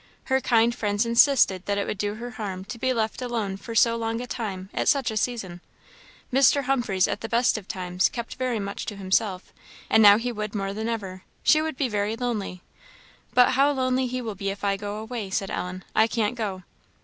Her kind friends insisted that it would do her harm to be left alone for so long at such a season. Mr. Humphreys at the best of times kept very much to himself, and now he would more than ever; she would be very lonely. "But how lonely he will be if I go away!" said Ellen "I can't go."